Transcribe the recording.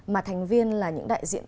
mà thành viên là những đại diện